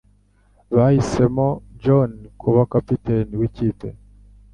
Bahisemo John kuba kapiteni wikipe.